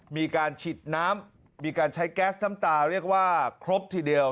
มีการฉีดน้ำมีการใช้แก๊สน้ำตาเรียกว่าครบทีเดียว